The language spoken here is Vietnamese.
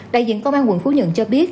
đại diện công an quận phú nhuận cho biết